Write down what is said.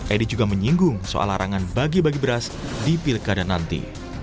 edi juga menyinggung soal larangan bagi bagi beras di pilkada nanti